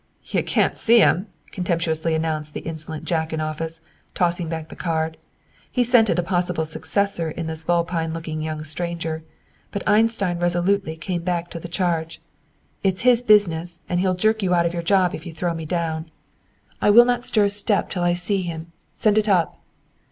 "You can't see him," contemptuously announced the insolent Jack in office, tossing back the card. He scented a possible successor in this vulpine looking young stranger. But Einstein resolutely came back to the charge. "It's his business, and he'll jerk you out of your job if you throw me down. I will not stir a step till I see him. Send it up."